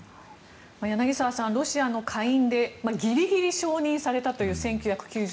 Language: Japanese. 柳澤さん、ロシアの下院でギリギリ承認されたという１９９９年。